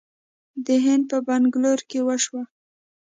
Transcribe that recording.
د هند په بنګلور کې وشوه